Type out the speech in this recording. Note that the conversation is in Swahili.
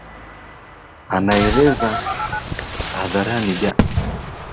anaeleza adhari gani sinazoweza kutokea hasa baada ya suala hilo kuendeshwa pasipo na ha